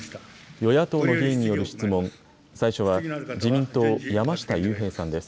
与野党の議員による質問、最初は自民党、山下雄平さんです。